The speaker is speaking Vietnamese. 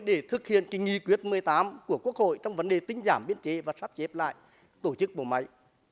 để thực hiện kinh nghi quyết một mươi tám của quốc hội trong vấn đề tính giảm biến chế và sắp chếp lại tổ chức bộ máy